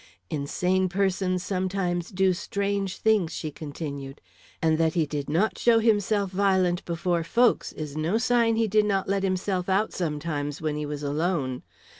"Insane persons sometimes do strange things," she continued; "and that he did not show himself violent before folks is no sign he did not let himself out sometimes when he was alone.